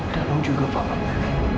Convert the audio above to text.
danu juga bapaknya